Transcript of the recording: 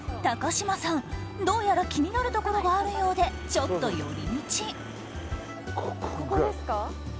高嶋さん、どうやら気になるところがあるようでちょっと寄り道。